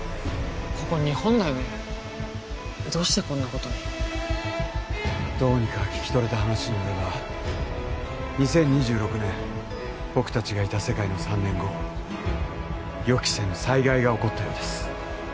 ここ日本だよねどうしてこんなことにどうにか聞き取れた話によれば２０２６年僕達がいた世界の３年後予期せぬ災害が起こったようです